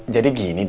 jadi gini d